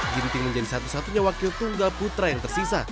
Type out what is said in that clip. ginting menjadi satu satunya wakil tunggal putra yang tersisa